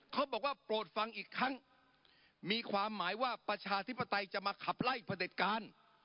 เขาบอกว่าโปรดฟังอีกครั้งมีความหมายว่าประชาธิปไตยจะมาขับไล่ประเด็จการ